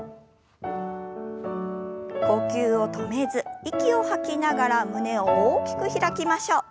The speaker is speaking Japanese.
呼吸を止めず息を吐きながら胸を大きく開きましょう。